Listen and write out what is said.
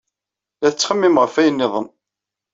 La tettxemmim ɣef wayen niḍen.